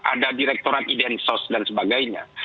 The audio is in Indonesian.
ada direktorat iden sos dan sebagainya